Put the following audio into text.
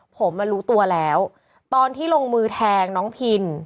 ผมรู้ตัวแล้วตอนที่ลงมือแทงน้องพิน